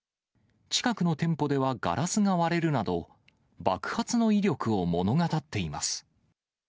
近くの店舗ではガラスが割れるなど、爆発の威力を物語っています。